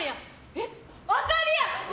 えっ、当たりや！